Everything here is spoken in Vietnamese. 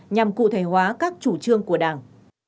nhằm cụ thể hóa các chủ trương của đảng